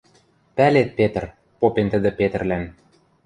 — Пӓлет, Петр, — попен тӹдӹ Петрлӓн